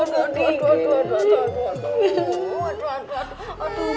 aduh aduh aduh